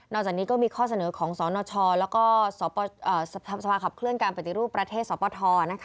จากนี้ก็มีข้อเสนอของสนชแล้วก็สภาขับเคลื่อนการปฏิรูปประเทศสปท